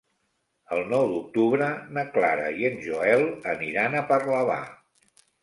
El nou d'octubre na Clara i en Joel aniran a Parlavà.